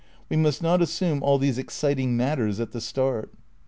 We must not assume all these exciting matters at the start.